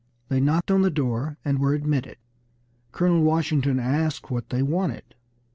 They knocked on the door, and were admitted. Colonel Washington asked what they wanted.